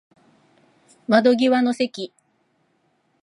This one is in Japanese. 窓際の席